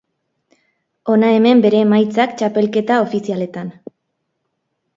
Hona hemen bere emaitzak txapelketa ofizialetan.